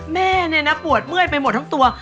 แม่เนี่ยนะปวดเมื่อยไปหมดทั้งตัว